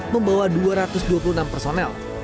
membawa dua ratus dua puluh enam personel